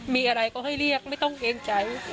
มีอะไรก็ให้เรียกไม่ต้องเกรงใจ